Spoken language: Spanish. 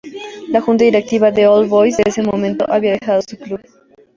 La junta directiva de All Boys de ese momento había dejado el club.